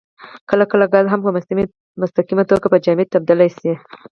کله کله ګاز هم په مستقیمه توګه په جامد تبدیل شي.